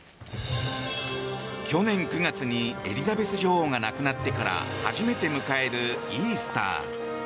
去年９月にエリザベス女王が亡くなってから初めて迎えるイースター。